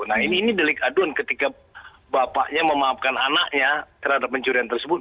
nah ini delik aduan ketika bapaknya memaafkan anaknya terhadap pencurian tersebut